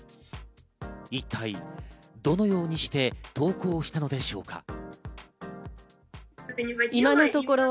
一体どのようにして投稿したのでしょうか？